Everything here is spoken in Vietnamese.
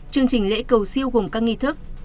chương trình lễ cầu siêu gồm các nghi thức